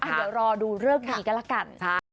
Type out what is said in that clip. เดี๋ยวรอดูเลิกดีกันละกัน